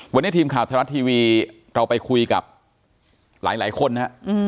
วันนี้ทีมข่าวไทยรัฐทีวีเราไปคุยกับหลายคนนะฮะ